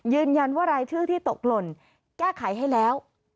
ยืนยันว่ารายชื่อที่ตกหล่นแก้ไขให้แล้ว